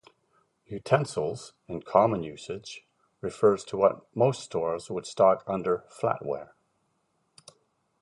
"Utensils", in common usage, refers to what most stores would stock under "flatware".